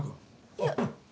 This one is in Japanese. いや。